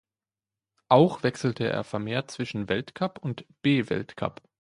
Auch wechselte er vermehrt zwischen Weltcup und B-Weltcup.